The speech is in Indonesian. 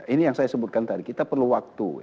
ini yang saya sebutkan tadi kita perlu waktu